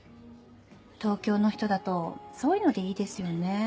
東京の人だとそういうのでいいですよね。